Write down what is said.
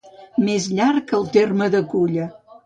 Més llarg que el terme de Culla.